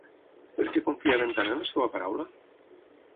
Per què confiaven tant en la seva paraula?